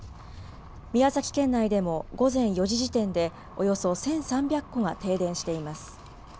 宮崎県内でも午前４時時点でおよそ１３００戸が停電しています。